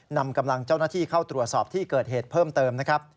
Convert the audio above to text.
นำกำลังเจ้าหน้าที่เข้าตรวจสอบที่เกิดเหตุเพิ่มเติมนะครับ